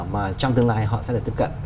mà trong tương lai họ sẽ tiếp cận